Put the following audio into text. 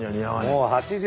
もう８時だ。